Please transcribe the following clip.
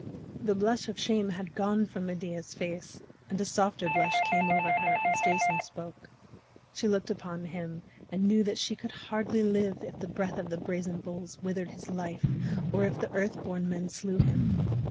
The blush of shame had gone from Medea's face and a softer blush came over her as Jason spoke. She looked upon him and she knew that she could hardly live if the breath of the brazen bulls withered his life or if the Earth born Men slew him.